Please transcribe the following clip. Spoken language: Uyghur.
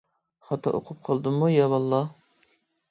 خاتا ئوقۇپ قالدىممۇ يا باللار؟ !